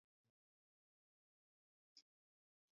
watu wengi sana walikufa kwenye mauaji ya kimbari